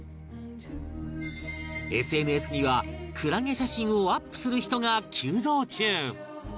ＳＮＳ にはクラゲ写真をアップする人が急増中